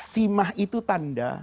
simah itu tanda